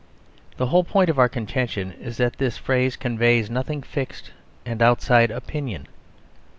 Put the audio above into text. The whole point of our contention is that this phrase conveys nothing fixed and outside opinion.